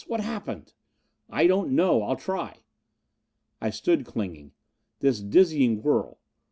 What happened?" "I don't know. I'll try." I stood clinging. This dizzying whirl!